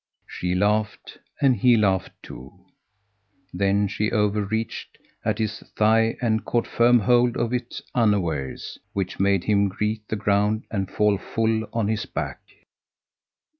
She laughed and he laughed too;[FN#177] then she overreached at his thigh and caught firm hold of it unawares, which made him greet the ground and fall full on his back.